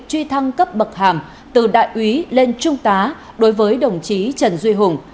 truy thăng cấp bậc hàm từ đại úy lên trung tá đối với đồng chí trần duy hùng